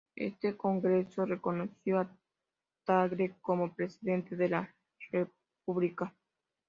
Este Congreso reconoció a Tagle como Presidente de la República.